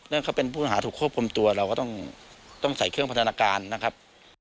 เนื่องเข้าเป็นผู้หาถุงโค้กพรมตัวเราก็ต้องใส่เครื่องพัฒนาการนะครับ